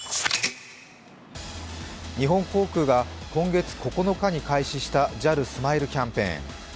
日本航空が今月９日に開始したＪＡＬスマイルキャンペーン。